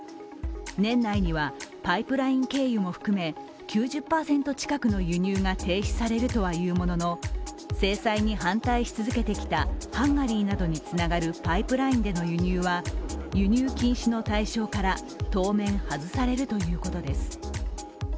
年内にはパイプライン経由も含め９０％近くの輸入が停止されるとはいうものの制裁に反対し続けてきたハンガリーなどにつながるパイプラインでの輸入は輸入禁止の対象から当面外されるということです。